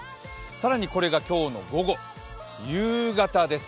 更にこれが今日の午後、夕方です。